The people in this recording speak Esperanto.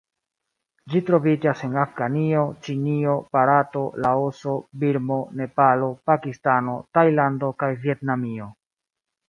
Ĝi troviĝas en Afganio, Ĉinio, Barato, Laoso, Birmo, Nepalo, Pakistano, Tajlando kaj Vjetnamio.